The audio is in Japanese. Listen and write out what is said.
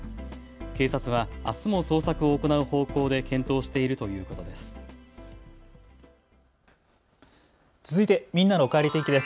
警察はあすも捜索を行う方向で検討しているということです。